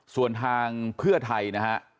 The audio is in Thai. ส่วนทางเพื่อไทยนะฮะ